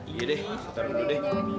iya deh satar dulu deh